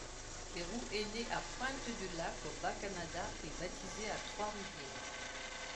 Héroux est né à Pointe-du-Lac, au Bas-Canada, et baptisé à Trois-Rivières.